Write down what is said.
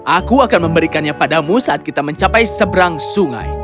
aku akan memberikannya padamu saat kita mencapai seberang sungai